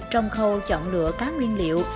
trong khâu chọn lựa cá nguyên liệu